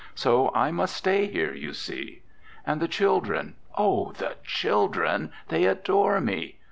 So I must stay here, you see. And the children, oh, the children they adore me.